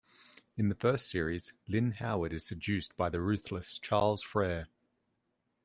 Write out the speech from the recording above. In the first series, Lynne Howard is seduced by the ruthless Charles Frere.